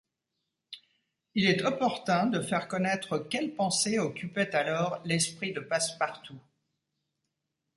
Il est opportun de faire connaître quelles pensées occupaient alors l’esprit de Passepartout.